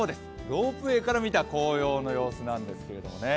ロープウェーから見た紅葉の様子なんですけどね。